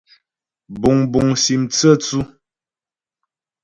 Buŋbuŋ sim tsə́tsʉ́.